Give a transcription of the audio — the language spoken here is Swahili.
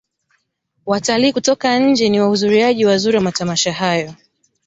watalii kutoka nje ni wahuzuriaji wazuri wa matamasha hayo